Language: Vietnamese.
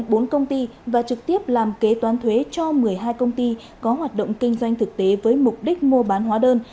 tổng công ty và trực tiếp làm kế toán thuế cho một mươi hai công ty có hoạt động kinh doanh thực tế với mục đích mua bán hóa đơn